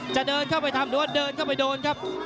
จะเดินเข้าไปทำหรือว่าเดินเข้าไปโดนครับ